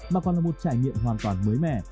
mà còn là một trải nghiệm hoàn toàn mới mẻ